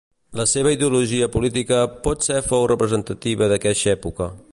La seva ideologia política pot ser fou representativa d'aqueixa època.